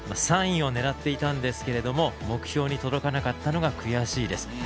３位を狙っていたんですが目標に届かなかったのが悔しいです。